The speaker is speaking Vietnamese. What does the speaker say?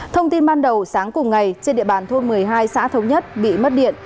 thông tin ban đầu sáng cùng ngày trên địa bàn thôn một mươi hai xã thống nhất bị mất điện